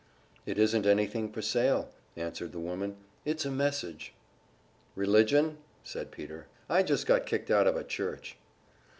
"It isn't anything for sale," answered the woman. "It's a message." "Religion?" said Peter. "I just got kicked out of a church."